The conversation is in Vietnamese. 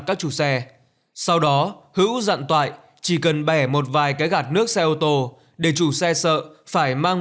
các chủ xe sau đó hữu dặn toại chỉ cần bẻ một vài cái gạt nước xe ô tô để chủ xe sợ phải mang